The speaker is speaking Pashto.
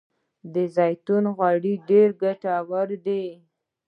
د زیتون غوړي ډیر ګټور دي.